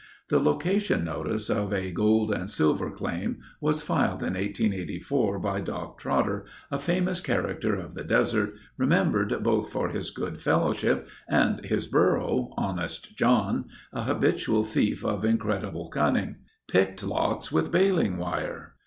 The location notice of a "gold and silver claim" was filed in 1884 by Doc Trotter, a famous character of the desert, remembered both for his good fellowship and his burro—Honest John—a habitual thief of incredible cunning, "Picked locks with baling wire...."